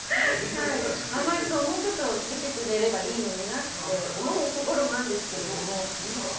もうちょっと見てくれればいいのになって思うところもあるんですけれども。